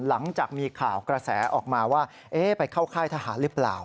หลังจากมีข่าวกระแสออกมาว่าไปเข้าค่ายทหารหรือเปล่า